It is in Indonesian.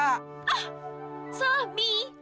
ah salah mi